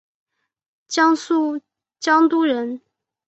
江苏江都人。